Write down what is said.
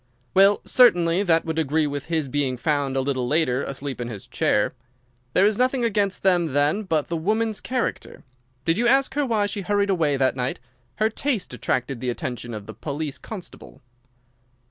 "Well, certainly that would agree with his being found a little later asleep in his chair. There is nothing against them then but the woman's character. Did you ask her why she hurried away that night? Her haste attracted the attention of the police constable."